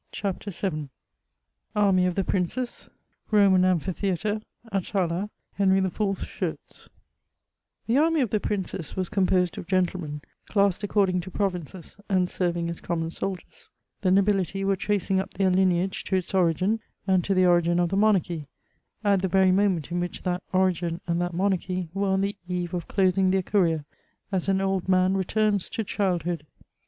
CHATEAU^KIAND. 3S9 ASMT OF THE PBINCEEh IIOBIAK AKPHITHEATBS— ATALA— HENBT XHB FOUXTB^ 8 SHIBTS* The anny of the {Hrinces was composed of gentLemen, classed according to provinces, and serving as common soldiers ; the nohility were facing up their lineage to its origin and to the origin of the monarchy, at the very moment in which that origin and that monarchy werQ on the eve of closing their career, as an old man returns to childhood.